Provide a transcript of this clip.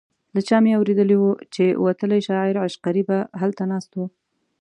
له چا مې اورېدي وو چې وتلی شاعر عشقري به هلته ناست و.